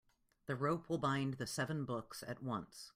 The rope will bind the seven books at once.